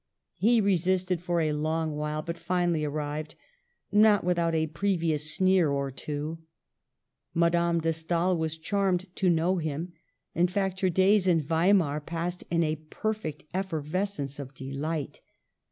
He resisted for a long while, but finally arrived — not without a previous sneer or two, Madame de Stael was charmed to know him — in fact, her days in Weimar passed in a per fect effervescence of delight.